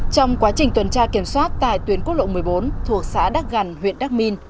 trong quá trình tuần tra kiểm soát tại tuyến quốc lộ một mươi bốn thuộc xã đắc gằn huyện đắc minh